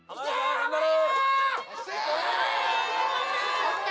頑張れ！